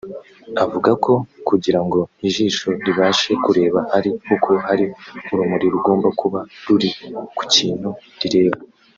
Avuga ko kugira ngo ijisho ribashe kureba ari uko hari urumuri rugomba kuba ruri kukintu rireba